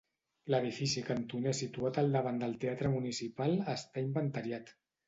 L'edifici cantoner situat al davant del Teatre municipal està inventariat.